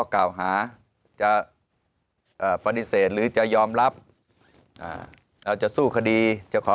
กล่าวหาจะปฏิเสธหรือจะยอมรับเราจะสู้คดีจะขอ